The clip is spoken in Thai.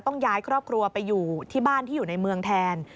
ต้องย้ายครอบครัวไปอยู่ที่บ้านที่อยู่ในเมืองแทน